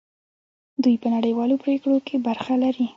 دوی په نړیوالو پریکړو کې برخه لري.